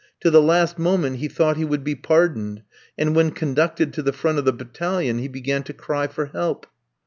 To the last moment he thought he would be pardoned, and when conducted to the front of the battalion, he began to cry for help.